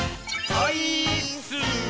オイーッス！